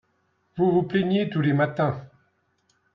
vous vous plaigniez tous les matins.